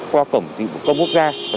qua cổng dịch vụ công quốc gia